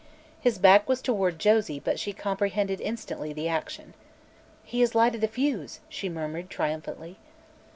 His back was toward Josie but she comprehended instantly the action. "He has lighted the fuse!" she murmured, triumphantly.